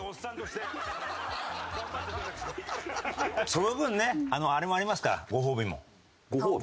その分ねあれもありますからご褒美も。